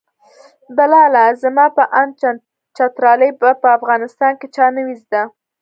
بلاله زما په اند چترالي به په افغانستان کې د چا نه وي زده.